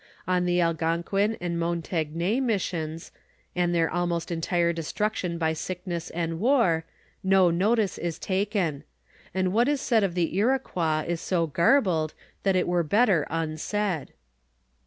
Of the Algonquin and Montagnais missions, and their almost entire destruction by sick ness and war, no notice is taken ; and what is said of the Iroquois is so garbled, that it were better unsaid.